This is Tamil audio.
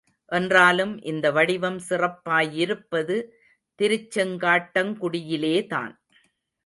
என்றாலும் இந்த வடிவம் சிறப்பாயிருப்பது திருச்செங்காட்டங்குடியிலே தான்.